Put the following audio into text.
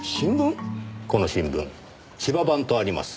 この新聞「千葉版」とあります。